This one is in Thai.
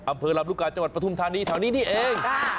อำเภอลำลูกกาจังหวัดปฐุมธานีแถวนี้นี่เอง